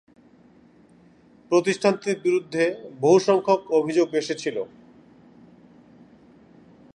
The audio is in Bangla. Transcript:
প্রতিষ্ঠানটির বিরুদ্ধে বহুসংখ্যক অভিযোগ এসেছিল।